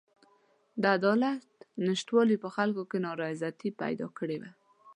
د عدالت نشتوالي په خلکو کې نارضایتي پیدا کړې وه.